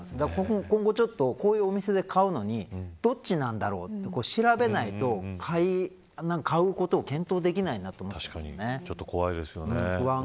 僕も今後こういうお店で買うのにどっちなんだろうと調べないと買うことを検討できないな確かに、ちょっと怖いですね。